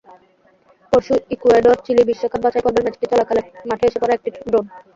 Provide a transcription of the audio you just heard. পরশু ইকুয়েডর-চিলি বিশ্বকাপ বাছাইপর্বের ম্যাচটি চলাকালে মাঠে এসে পড়ে একটি ড্রোন।